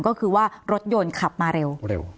ก็คือว่ารถยนต์ขับมาเร็ว